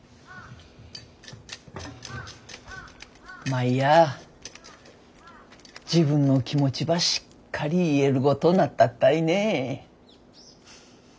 舞や自分の気持ちばしっかり言えるごとなったったいね。